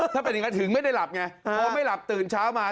ถ้าเป็นอย่างนั้นถึงไม่ได้หลับไงพอไม่หลับตื่นเช้ามา